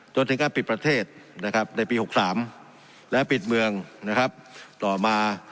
จนถึงการปิดประเทศในปี๖๓และปิดเมืองนะครับต่อมา